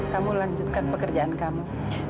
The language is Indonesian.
kamu lanjutkan pekerjaan kamu